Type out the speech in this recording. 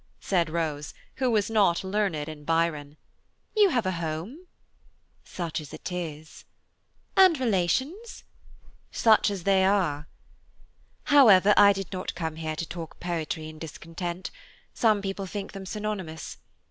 said Rose, who was not learned in Byron; "you have a home." "Such as it is." "And relations." "Such as they are. However, I did not come here to talk poetry and discontent–some people think them synonymous.